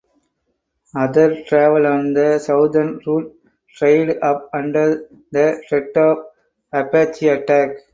Other travel on the southern route dried up under the threat of Apache attack.